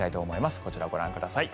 こちら、ご覧ください。